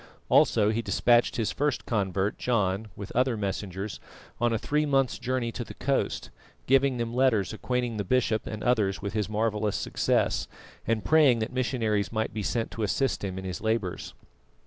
Also he despatched his first convert John, with other messengers, on a three months' journey to the coast, giving them letters acquainting the bishop and others with his marvellous success, and praying that missionaries might be sent to assist him in his labours.